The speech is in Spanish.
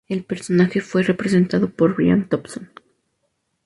El personaje fue representado por Brian Thompson.